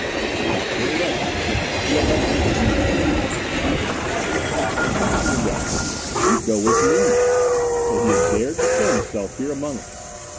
CHAPTER XI The Electrical Eavesdropper I turned from the deck. Miko was near me! So he had dared to show himself here among us!